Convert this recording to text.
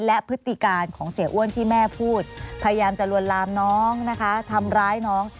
และพฤติการของเสียอ้วนที่แม่พูดพยายามจะลวนลามน้องนะคะทำร้ายน้อง